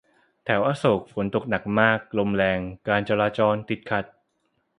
แถวอโศก ฝนตกหนักมาก ลมแรง การจราจรติดขัด